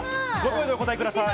５秒でお答えください。